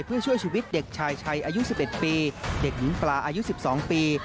เพื่อช่วยชีวิตเด็กชายชัยอายุสิบเอ็ดปีเด็กหนึ่งปลาอายุสิบสองปี